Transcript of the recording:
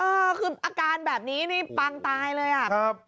อ่าคืออาการแบบนี้นี่ปังตายเลยอ่ะ